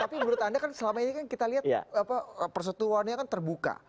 tapi menurut anda kan selama ini kan kita lihat perseturuannya kan terbuka